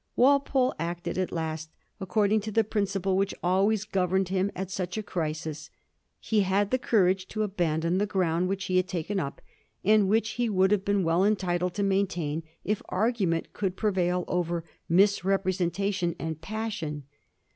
Walpole acted at last according to the principle which always governed him at such a crisis. He had the courage to abandon the ground which he had taken up, and which he would have been well entitled to maintain if argument could prevail over mis representation and passion.